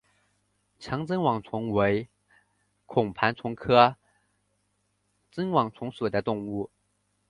强针网虫为孔盘虫科针网虫属的动物。